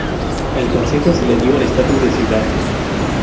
Al consejo se le dio el estatus de ciudad.